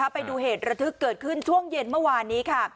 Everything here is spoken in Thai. ไปดูเหตุระทึกเกิดขึ้นช่วงเย็นเมื่อวานนี้ค่ะ